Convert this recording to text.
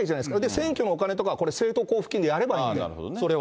選挙のお金とか、これ政党交付金でやればいいんだから、それは。